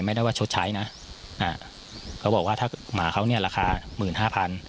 ไม่ได้ว่าชดใช้นะเขาบอกว่าถ้าหมาเขาราคา๑๕๐๐๐